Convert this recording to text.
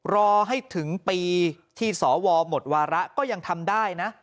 รอให้ถึงปีที่สวหมดวาระก็ยังทำได้นะ